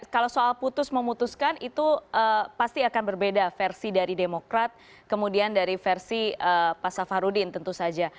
kalau soal putus memutuskan itu pasti akan berbeda versi dari demokrat kemudian dari versi pak safarudin tentu saja